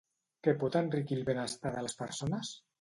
Què pot enriquir el benestar de les persones?